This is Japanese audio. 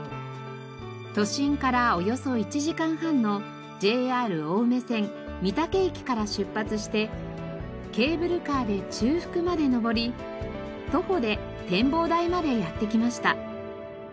都心からおよそ１時間半のＪＲ青梅線御嶽駅から出発してケーブルカーで中腹まで登り徒歩で展望台までやって来ました。